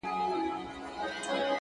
لوړ فکر محدودیتونه کمزوري کوي،